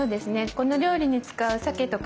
この料理に使うさけとか